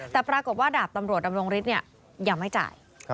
แต่ปรากฏว่าดาบตำรวจดำรงฤทธิ์ยังไม่จ่าย